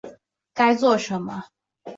该做什么